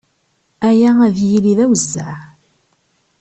Aya ad yili d awezzeɛ.